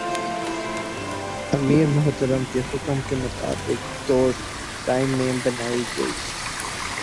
امیر محترم کے حکم کے مطابق دو ٹیمیں بنائی گئیں ۔